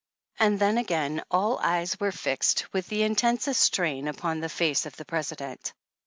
And then again all eyes were fixed with intensest strain upon the face of the President.